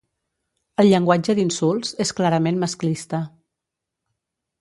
El llenguatge d’insults és clarament masclista.